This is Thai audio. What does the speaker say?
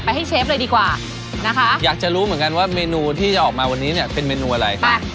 ให้เชฟเลยดีกว่านะคะอยากจะรู้เหมือนกันว่าเมนูที่จะออกมาวันนี้เนี่ยเป็นเมนูอะไรค่ะ